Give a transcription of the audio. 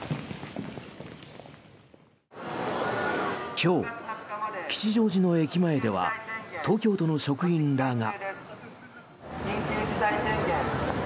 今日、吉祥寺の駅前では東京都の職員らが。